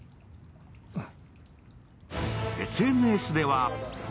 うん。